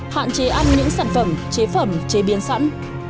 hạn chế ăn những sản phẩm chế phẩm chế biến sẵn